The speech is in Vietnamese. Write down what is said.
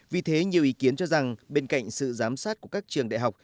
vì thế nhiều ý kiến cho rằng bên cạnh sự giám sát của các trường đại học